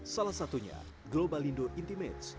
salah satunya global indo intimate